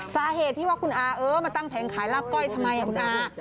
สาเหตุที่ว่าคุณอาเออมาตั้งแผงขายลาบก้อยทำไมคุณอา